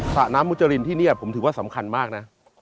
ระน้ำมุจรินที่นี่ผมถือว่าสำคัญมากนะ